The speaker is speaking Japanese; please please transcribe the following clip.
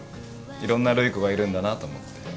いろんな瑠衣子がいるんだなと思って。